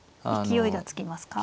勢いがつきますか。